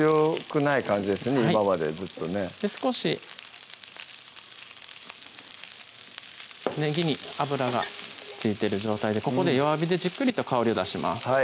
今までずっとね少しねぎに油が付いてる状態でここで弱火でじっくりと香りを出します